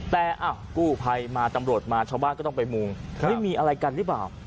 แต่กู้ภัยมาตำรวจมาชาวบ้านก็ต้องไปมุงมีอะไรกันหรือเปล่า